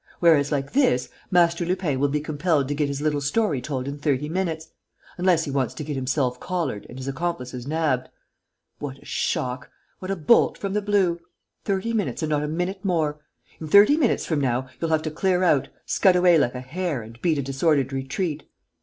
Whereas, like this, Master Lupin will be compelled to get his little story told in thirty minutes ... unless he wants to get himself collared and his accomplices nabbed. What a shock! What a bolt from the blue! Thirty minutes and not a minute more. In thirty minutes from now, you'll have to clear out, scud away like a hare and beat a disordered retreat.